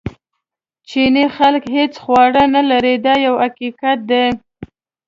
ځینې خلک هیڅ خواړه نه لري دا یو حقیقت دی.